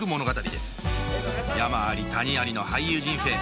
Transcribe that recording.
山あり谷ありの俳優人生